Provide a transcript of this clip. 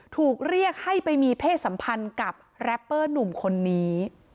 ถูกเรียกให้ไปมีเพศสัมพันธ์กับแรปเปอร์หนุ่มคนนี้